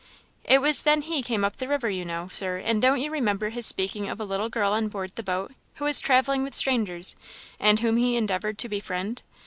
"It was then he came up the river, you know, Sir; and don't you remember his speaking of a little girl on board the boat, who was travelling with strangers, and whom he endeavoured to befriend?